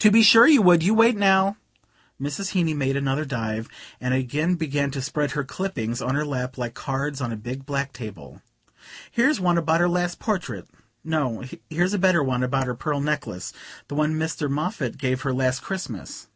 "To be sure you would! You wait now." Mrs. Heeny made another dive, and again began to spread her clippings on her lap like cards on a big black table. "Here's one about her last portrait no, here's a better one about her pearl necklace, the one Mr. Moffatt gave her last Christmas.